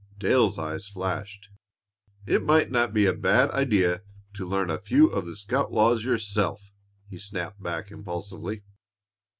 Dale's eyes flashed. "It might not be a bad idea to learn a few of the scout laws yourself," he snapped back impulsively.